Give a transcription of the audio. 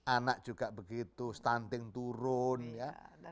anak juga begitu stunting turun ya